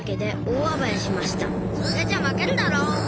それじゃ負けるだろ！